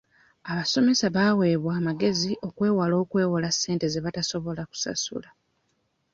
Abasomesa baweebwa amagezi okwewala okwewola ssente ze batasobola kusasula.